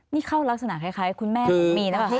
นี่เขารักษณะคล้ายคุณแม่มีนะครับคะ